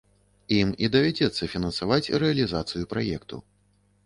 Ім і давядзецца фінансаваць рэалізацыю праекту.